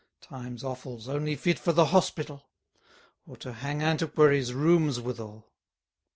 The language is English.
Time's offals, only fit for the hospital! Or to hang antiquaries' rooms withal!